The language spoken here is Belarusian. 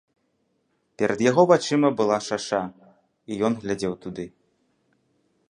Перад яго вачыма была шаша, і ён глядзеў туды.